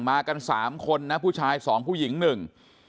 มากันสามคนนะผู้ชายสองผู้หญิงหนึ่ง